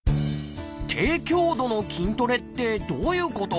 「低強度の筋トレ」ってどういうこと？